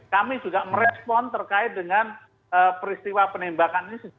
kami juga merespon terkait dengan peristiwa penembakan ini